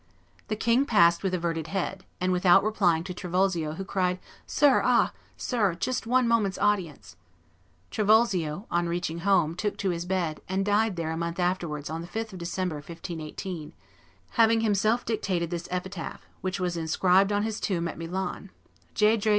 The king passed with averted head, and without replying to Trivulzio, who cried, "Sir, ah! sir, just one moment's audience!" Trivulzio, on reaching home, took to his bed, and died there a month afterwards, on the 5th of December, 1518, having himself dictated this epitaph, which was inscribed on his tomb, at Milan, "J. J.